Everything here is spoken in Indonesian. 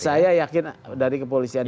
saya yakin dari kepolisian